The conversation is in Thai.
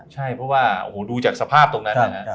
ใช่เพราะว่าดูจากสภาพตรงนั้น